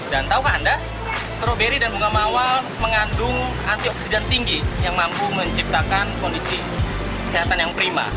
dan tahukah anda stroberi dan bunga mawar mengandung anti oksidan tinggi yang mampu menciptakan kondisi kesehatan yang prima